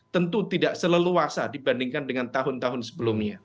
tentu tidak seleluasa dibandingkan dengan tahun tahun sebelumnya